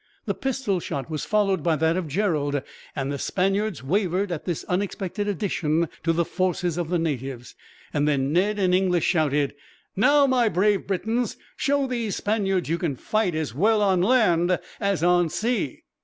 The pistol shot was followed by that of Gerald, and the Spaniards wavered at this unexpected addition to the forces of the natives. Then Ned in English shouted: "Now, my brave Britons, show these Spaniards you can fight as well, on land, as at sea."